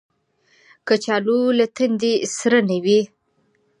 کچالو له تندې سره نه وي